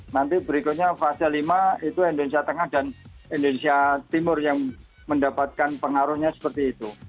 nanti berikutnya fase lima itu indonesia tengah dan indonesia timur yang mendapatkan pengaruhnya seperti itu